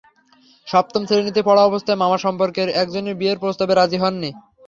সপ্তম শ্রেণীতে পড়া অবস্থায় মামা সম্পর্কের একজনের বিয়ের প্রস্তাবে রাজি হননি।